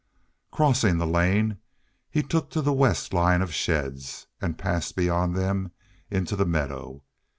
Crossing the lane, he took to the west line of sheds, and passed beyond them into the meadow.